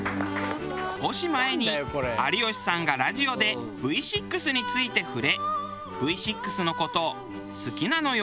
少し前に有吉さんがラジオでＶ６について触れ「Ｖ６の事好きなのよ！